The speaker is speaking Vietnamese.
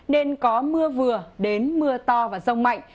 nên có mưa vừa đến mưa to và rông mạnh